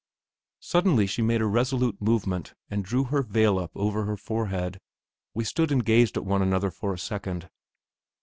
Suddenly she made a resolute movement and drew her veil up over her forehead; we stood and gazed at one another for a second.